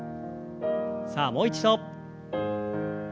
さあもう一度。